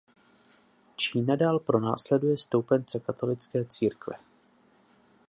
Čína dál pronásleduje stoupence katolické církve.